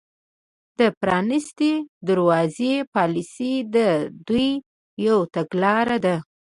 د پرانیستې دروازې پالیسي د دوی یوه تګلاره ده